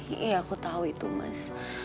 ya aku tahu itu mas